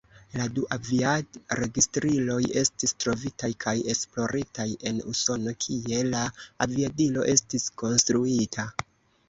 La du aviad-registriloj estis trovitaj kaj esploritaj en Usono, kie la aviadilo estis konstruita.